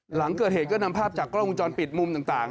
หลังเกิดเหตุก็นำภาพจากกล้องวงจรปิดมุมต่าง